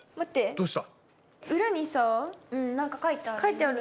どうした？